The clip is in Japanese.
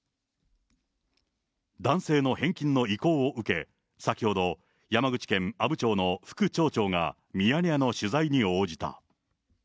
男性の返金の意向を受け、先ほど、山口県阿武町の副町長が、ミヤネ屋の取材に応じた。